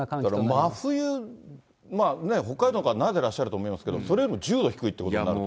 真冬、北海道の方は慣れてらっしゃると思いますが、それよりも１０度低いということになると。